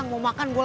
itu li manual duo